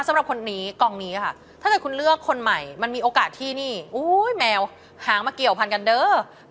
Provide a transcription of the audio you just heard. สำหรับคนนี้กองนี้ค่ะถ้าเกิดคุณเลือกคนใหม่มันมีโอกาสที่นี่แมวหางมาเกี่ยวพันกันเด้อ